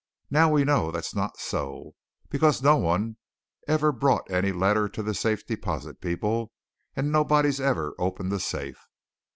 Now we know that's not so, because no one ever brought any letter to the Safe Deposit people and nobody's ever opened the safe.